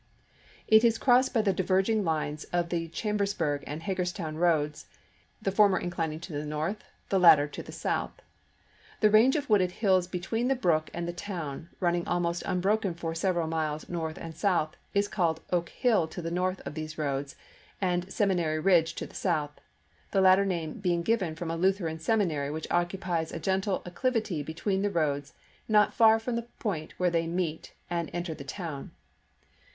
GETTYSBUKG 237 It is crossed by the diverging lines of the Cham chap. ix. bersburg and Hagerstown roads, the former inclin ing to the north, the latter to the south. The range of wooded hills between the brook and the town, running almost unbroken for several miles north and south, is called Oak Hill to the north of these roads, and Seminary Ridge to the south, the lat ter name being given from a Lutheran seminary which occupies a gentle acclivity between the roads not far from the point where they meet and enter the town.